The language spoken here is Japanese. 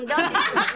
ハハハハ。